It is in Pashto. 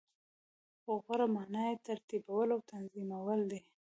خو غوره معنا یی ترتیبول او تنظیمول دی .